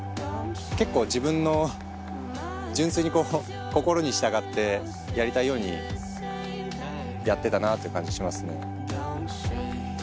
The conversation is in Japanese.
結構自分の純粋に心に従ってやりたいようにやってたなぁという感じしますね。